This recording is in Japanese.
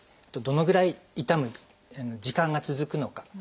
あとどのぐらい痛む時間が続くのか。